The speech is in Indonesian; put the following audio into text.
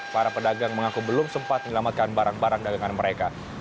para pedagang mengaku belum sempat menyelamatkan barang barang dagangan mereka